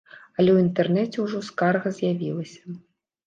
Але ў інтэрнэце ўжо скарга з'явілася.